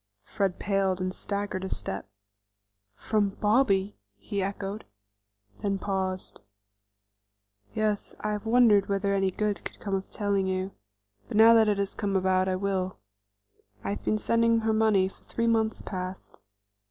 Fred paled and staggered a step. "From Bobby!" he echoed, then paused. "Yes, I have wondered whether any good could come of telling you; but now that it has come about, I will. I have been sending her money for three months past.